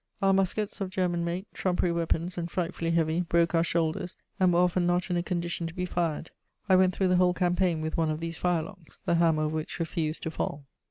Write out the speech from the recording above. Our muskets, of German make, trumpery weapons and frightfully heavy, broke our shoulders, and were often not in a condition to be fired. I went through the whole campaign with one of these firelocks, the hammer of which refused to fall.